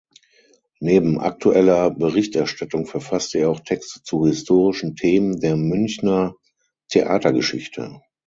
Neben aktueller Berichterstattung verfasste er auch Texte zu historischen Themen der Münchner Theatergeschichte.